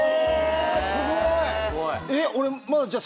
すごい！